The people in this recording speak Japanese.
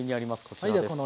こちらです。